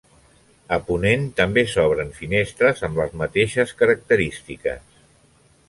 A ponent també s'obren finestres amb les mateixes característiques.